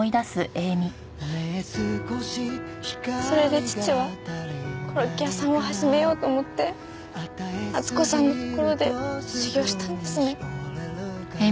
それで父はコロッケ屋さんを始めようと思って温子さんのところで修業したんですね。